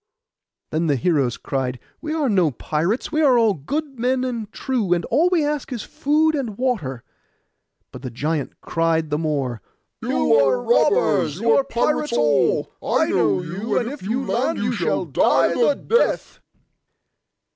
Then the heroes cried, 'We are no pirates. We are all good men and true, and all we ask is food and water;' but the giant cried the more— 'You are robbers, you are pirates all; I know you; and if you land, you shall die the death.